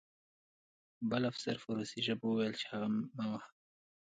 بل افسر په روسي ژبه وویل چې هغه مه وهه